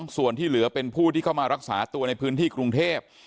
ส่วนที่เหลือเป็นผู้ที่เข้ามารักษาตัวในพื้นที่กรุงเทพ